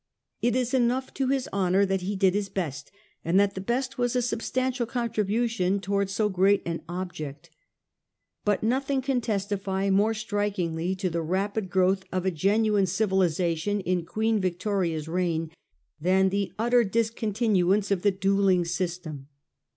It is enough to his honour that he did his best, and that the best was a substantial contribution towards so great an object. But nothing can testify more strikingly to the rapid growth of a genuine civilisation in Queen Victoria's reign than the utter discontinuance of the duelling system.